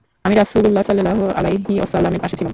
আমি রাসূলুল্লাহ সাল্লাল্লাহু আলাইহি ওয়াসাল্লামের পাশে ছিলাম।